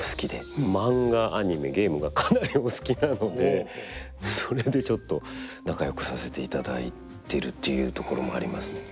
マンガアニメゲームがかなりお好きなのでそれでちょっと仲よくさせていただいてるっていうところもありますね。